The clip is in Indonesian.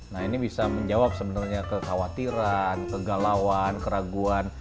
nah ini bisa menjawab sebenarnya kekhawatiran kegalauan keraguan